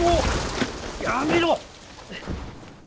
やめろ！